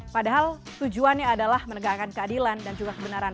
padahal tujuannya adalah menegakkan keadilan dan juga kebenaran